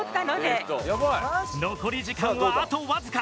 残り時間はあとわずか。